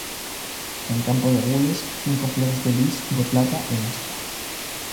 En campo de gules, cinco flores de lis, de plata, en aspa.